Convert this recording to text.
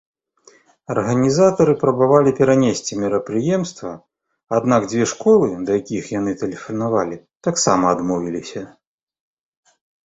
Арганізатары прабавалі перанесці мерапрыемства, аднак дзве школы, да якіх яны тэлефанавалі, таксама адмовіліся.